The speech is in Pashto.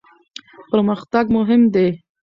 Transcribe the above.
پرمختګ مهم دی.